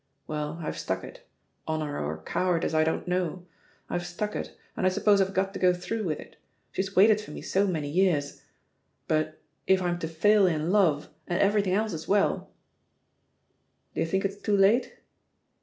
Well, I've stuck it — ^honour or cowardice, I don't know — I've stuck it, and I suppose I've got to go through with it, she's waited for me so many years; but if I'm to fail in love, and everything else as well Do you think it's too late?